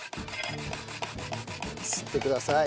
すってください。